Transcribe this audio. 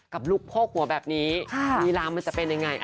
ลูกโพกหัวแบบนี้ลีลามันจะเป็นยังไง